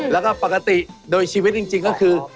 แล้วก็ปกติโดยชีวิตจริงก็คือ